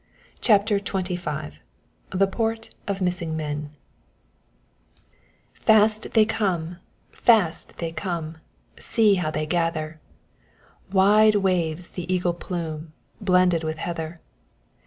CHAPTER XXV THE PORT OF MISSING MEN Fast they come, fast they come; See how they gather! Wide waves the eagle plume, Blended with heather.